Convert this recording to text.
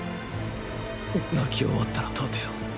泣き終わったら立てよ。